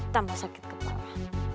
tambah sakit kepala